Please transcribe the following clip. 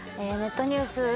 ネットニュース